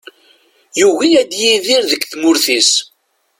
Yugi ad yidir deg tmurt-is.